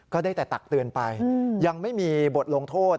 ก็ได้แต่ตักเตือนไปยังไม่มีบทลงโทษ